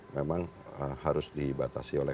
memang harus dibatasi oleh